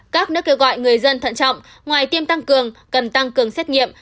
các nước kêu gọi người dân thận trọng ngoài tiêm tăng cường cần tăng cường xét nghiệm